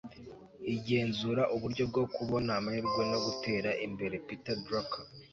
igenzura uburyo bwo kubona amahirwe no gutera imbere. - peter drucker